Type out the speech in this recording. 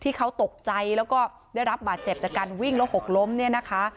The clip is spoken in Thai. ที่เขาตกใจแล้วก็ได้รับบาดเจ็บจากการวิ่งแล้วหกล้มเนี่ยนะคะ